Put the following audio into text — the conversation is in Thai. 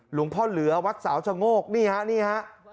หลวงพ่อเหลือวัดสาวชะโงกนี่ฮะนี่ฮะ